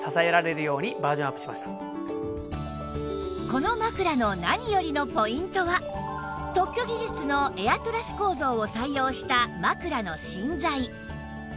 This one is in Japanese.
この枕の何よりのポイントは特許技術のエアトラス構造を採用した枕の芯材